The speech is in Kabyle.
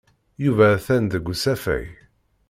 Yuba atan deg usafag.